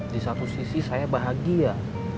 di satu sisi saya bahagia